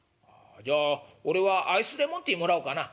「じゃあ俺はアイスレモンティーもらおうかな」。